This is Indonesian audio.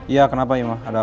iya kenapa imah ada apa